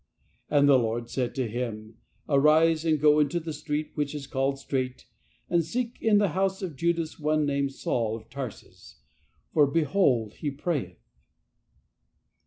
"" And the Lord said to him; ' Arise and go into the street which is called Strait, and seek in the house of Judas one named Saul of Tarsus. For behold he prayeth.